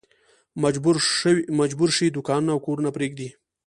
مجبور شي دوکانونه او کورونه پرېږدي.